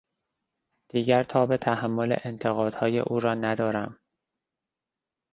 دیگر تاب تحمل انتقادهای او را ندارم.